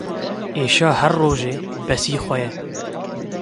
Êşa her rojê, besî xwe ye.